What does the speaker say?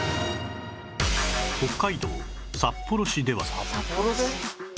北海道札幌市では